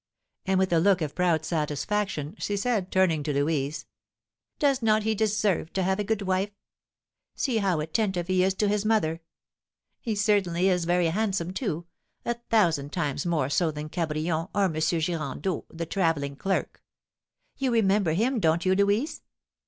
And, with a look of proud satisfaction, she said, turning to Louise, "Does not he deserve to have a good wife? See how attentive he is to his mother! He certainly is very handsome, too, a thousand times more so than Cabrion, or M. Girandeau, the travelling clerk! You remember him, don't you, Louise?